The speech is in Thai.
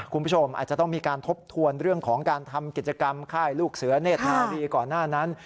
คุณผู้ชมอาจจะต้องมีการทบทวนเรื่องของการทำกิจกรรมค่ายลูกเสือเนธนาวีก่อนหน้านั้น